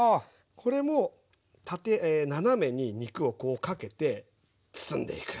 これも斜めに肉をかけて包んでいく。